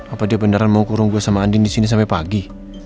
apa dia beneran mau kurung gue sama andien disini sampe pagi